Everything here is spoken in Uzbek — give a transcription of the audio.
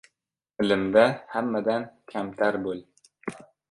— Ilmda hammadan kamtar bo‘l.